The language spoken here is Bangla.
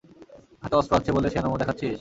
হাতে অস্ত্র আছে বলে সেয়ানামো দেখাচ্ছিস?